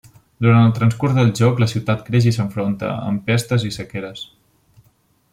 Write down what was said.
Durant el transcurs del joc, la ciutat creix i s'enfronta amb pestes i sequeres.